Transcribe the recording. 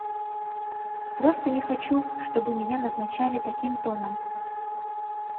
Просто не хочу, чтобы меня назначали таким тоном.